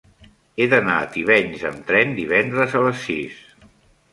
He d'anar a Tivenys amb tren divendres a les sis.